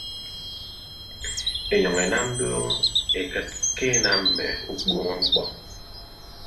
Enyʌñ enam nduuñọ ekịt ke enam mme ukpuuñọ ñkpọ.